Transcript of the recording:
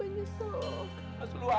kalau enggak nanti abah nyesel